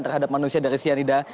terhadap manusia dari cyanida